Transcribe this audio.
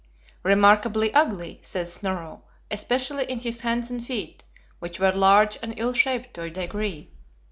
"Remarkably ugly," says Snorro, "especially in his hands and feet, which were large and ill shaped to a degree."